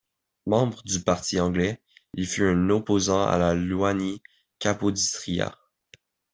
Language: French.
Membre du Parti anglais, il fut un opposant à Ioannis Kapodistrias.